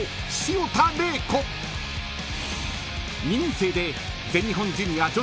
［２年生で］